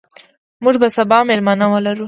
موږ به سبا میلمانه ولرو.